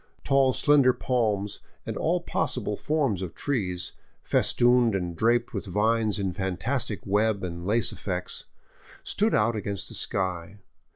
Tall, slender palms, and all possible forms of trees, festooned and draped with vines in fantastic web and lace effects, stood out against the sky.